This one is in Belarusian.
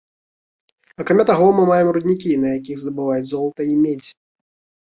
Акрамя таго, мы маем руднікі, на якіх здабываюць золата й медзь.